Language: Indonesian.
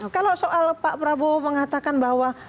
kalau soal pak prabowo mengatakan bahwa